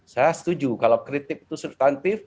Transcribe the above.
saya setuju kalau kritik itu substantif